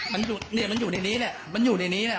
มันอยู่เนี่ยมันอยู่ในนี้เนี่ยมันอยู่ในนี้เนี่ย